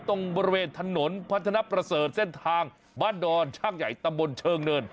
ตรงบริเวณถนนพัฒนประเสริฐเส้นทางบ้านดอนช่างใหญ่ตำบลเชิงเนิน